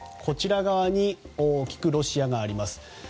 こちら側に大きくロシアがあります。